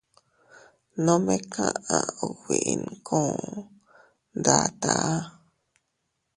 Nome kaʼa ubi inkuu ndataa.